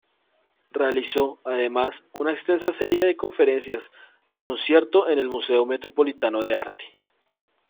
Realizó, además, una extensa serie de conferencias-concierto en el Museo Metropolitano de Arte.